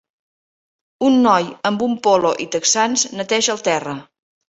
Un noi amb un polo i texans neteja el terra.